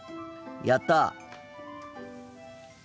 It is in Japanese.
やった！